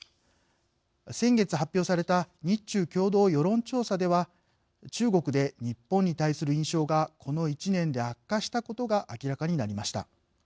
先月、発表された日中共同世論調査では中国で、日本に対する印象がこの１年で悪化したことが明らかになりました。